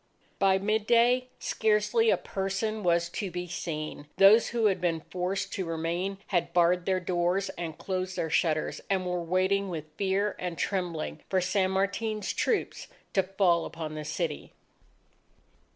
By midday, scarcely a person was to be seen. Those who had been forced to remain, had barred their doors and closed their shutters, and were waiting with fear and trembling for San Martin's troops to fall upon the city.